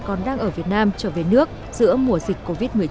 còn đang ở việt nam trở về nước giữa mùa dịch covid một mươi chín